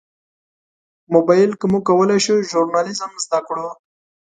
موبایل کې موږ کولی شو ژورنالیزم زده کړو.